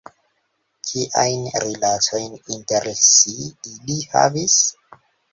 Kiajn rilatojn inter si ili havis?